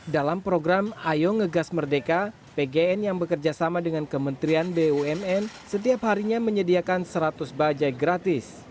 dalam program ayo ngegas merdeka pgn yang bekerja sama dengan kementerian bumn setiap harinya menyediakan seratus bajaj gratis